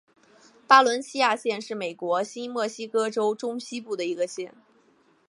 巴伦西亚县是美国新墨西哥州中西部的一个县。